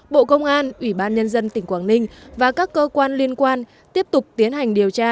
bộ công an ủy ban nhân dân tỉnh quảng ninh và các cơ quan liên quan tiếp tục tiến hành điều tra